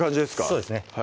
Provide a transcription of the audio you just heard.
そうですね